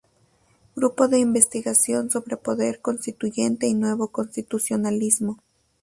Grupo de investigación sobre poder constituyente y nuevo constitucionalismo.